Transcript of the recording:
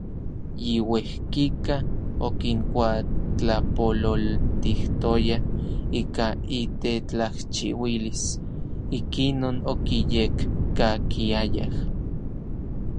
Yi uejkika okinkuatlapololtijtoya ika itetlajchiuilis, ikinon okiyekkakiayaj.